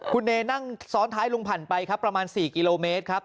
คุณเนนั่งซ้อนท้ายลุงผ่านไปครับประมาณ๔กิโลเมตรครับ